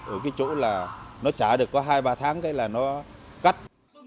ở cái chỗ là nó trả được có hai ba tháng đấy là nó cắt